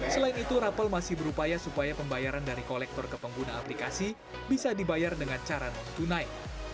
selain itu rapel masih berupaya supaya pembayaran dari kolektor ke pengguna aplikasi bisa dibayar dengan cara non tunai